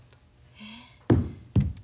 えっ。